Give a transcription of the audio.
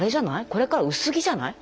これからは薄着じゃない？